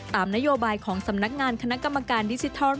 ตามนโยบายของสำนักงานคณะกรรมการดิจิทัล